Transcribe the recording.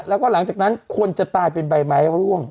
แล้วก็หลังจากนั้นคนจะตายเป็นใบไม้ร่วง